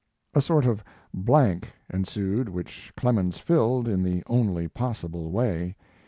A sort of blank ensued which Clemens filled in the only possible way.